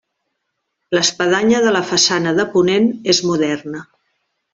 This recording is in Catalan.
L'espadanya de la façana de ponent és moderna.